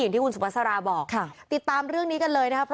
ที่คุณสุภาษาราบอกติดตามเรื่องนี้กันเลยนะครับ